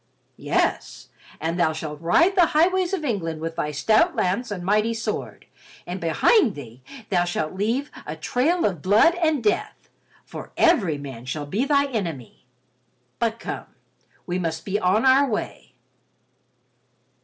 "Yes, and thou shalt ride the highways of England with thy stout lance and mighty sword, and behind thee thou shalt leave a trail of blood and death, for every man shalt be thy enemy. But come, we must be on our way."